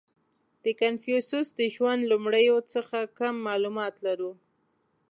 • د کنفوسیوس د ژوند لومړیو څخه کم معلومات لرو.